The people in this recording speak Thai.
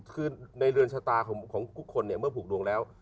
คือในเรือนชะตาของทุกคนเนี่ยเมื่อผูกดวงแล้ว